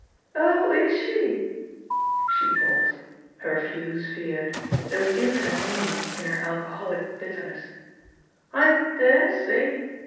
0h, is she?" She paused; her views veered; there was infinite meaning in her alcoholic bitter ness. "I dare say.